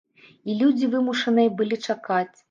І людзі вымушаныя былі чакаць.